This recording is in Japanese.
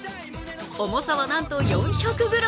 重さは、なんと４００ｇ。